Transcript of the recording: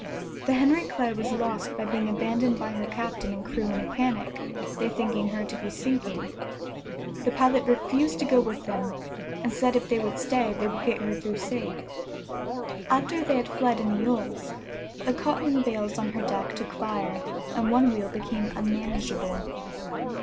The Henry Clay was lost by being abandoned by her captain and crew in a panic, they thinking her to be sinking. The pilot refused to go with them, and said if they would stay they would get her through safe. After they had fled in the yawls, the cotton bales on her deck took fire, and one wheel became unmanageable.